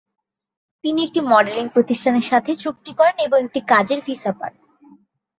তিনি একটি মডেলিং প্রতিষ্ঠানের সাথে চুক্তি করেন ও একটি কাজের ভিসা পান।